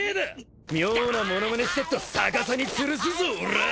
妙な物まねしてっと逆さにつるすぞおら！